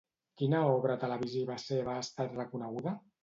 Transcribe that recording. Quina obra televisiva seva ha estat reconeguda?